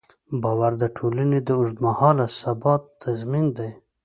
باور د ټولنې د اوږدمهاله ثبات تضمین دی.